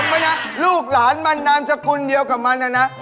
ตามว่านะลูกหลานมันนามจกลเดียวกับมันน่ะนะ